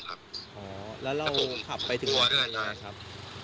ผมขับไปถึงหัวด้วยครับ